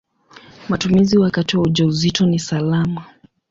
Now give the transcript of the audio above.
Matumizi wakati wa ujauzito ni salama.